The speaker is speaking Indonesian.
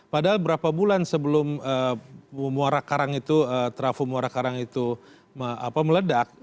padahal berapa bulan sebelum trafo muara karang itu meledak